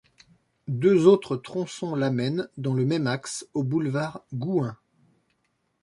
Deux autres tronçons l'amène, dans le même axe, au boulevard Gouin.